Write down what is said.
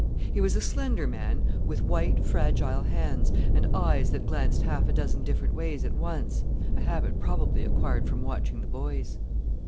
He was a slender man, with white, fragile hands, and eyes that glanced half a dozen different ways at once a habit probably acquired from watching the boys.